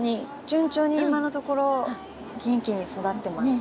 順調に今のところ元気に育ってます。